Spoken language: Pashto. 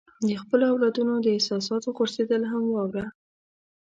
د خپلو اولادونو د احساساتو غورځېدل هم واوره.